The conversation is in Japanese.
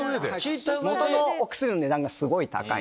元のお薬の値段がすごい高い。